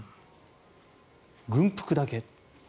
軍服だけ。